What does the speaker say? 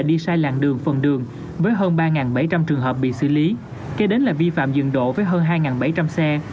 nạn đường phần đường với hơn ba bảy trăm linh trường hợp bị xử lý kế đến là vi phạm dựng độ với hơn hai bảy trăm linh xe